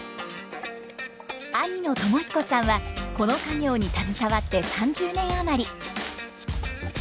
兄の友彦さんはこの家業に携わって３０年余り。